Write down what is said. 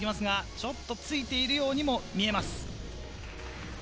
ちょっとついているようにも見えます。